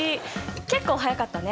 結構早かったね。